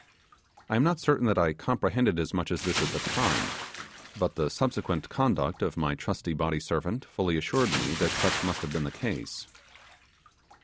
I am not certain that I comprehended as much as this at the time, but the subsequent conduct of my trusty body servant fully assured me that such must have been the case.